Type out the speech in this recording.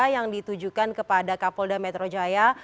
yang ditujukan kepada kapolda metro jaya